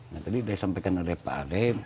nah tadi disampaikan oleh pak arief